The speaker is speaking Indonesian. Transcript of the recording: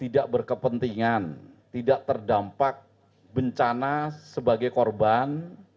tidak berkepentingan tidak terdampak bencana sebagai korban